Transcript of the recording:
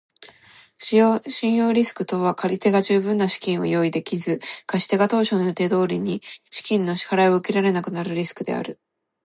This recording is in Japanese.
信用リスクとは借り手が十分な資金を用意できず、貸し手が当初の予定通りに資金の支払を受けられなくなるリスクである。